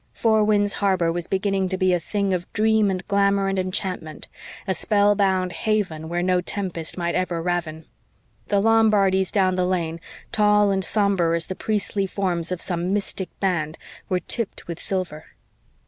Four Winds Harbor was beginning to be a thing of dream and glamour and enchantment a spellbound haven where no tempest might ever ravin. The Lombardies down the lane, tall and sombre as the priestly forms of some mystic band, were tipped with silver.